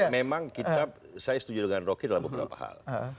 memang kita saya setuju dengan rocky dalam beberapa hal